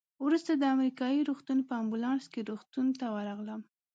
وروسته د امریکایي روغتون په امبولانس کې روغتون ته ورغلم.